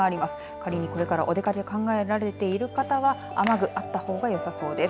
仮にこれからお出かけ考えられている方は雨具あったほうがよさそうです。